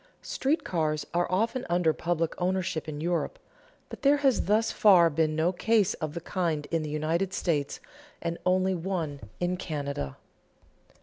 Street railroads are often under public ownership in Europe; but there has thus far been no case of the kind in the United States, and only one in Canada.